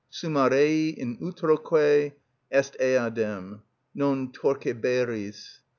Summa rei in utroque est eadem: non torqueberis.